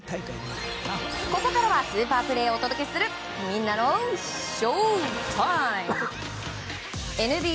ここからはスーパープレーをお届けするみんなのＳＨＯＷＴＩＭＥ。